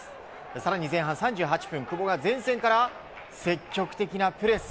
更に、前半３８分久保が前線から積極的なプレス。